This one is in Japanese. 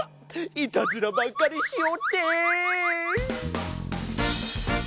いたずらばっかりしおって！